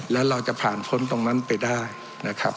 แล้วเราจะผ่านพ้นตรงนั้นไปได้นะครับ